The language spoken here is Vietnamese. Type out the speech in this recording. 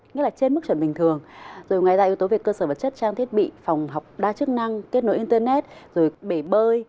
nghĩa là trên mức chuẩn bình thường rồi ngoài ra yếu tố về cơ sở vật chất trang thiết bị phòng học đa chức năng kết nối internet rồi bể bơi